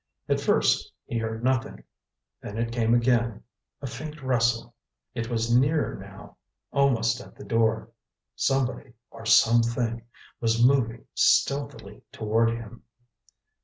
At first he heard nothing—then it came again—a faint rustle. It was nearer now—almost at the door. Somebody or something was moving stealthily toward him.